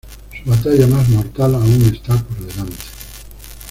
Su batalla más mortal aún está por delante.